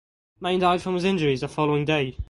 Main died from his injuries the following day.